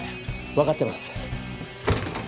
わかってます。